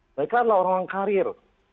mereka adalah orang orang karir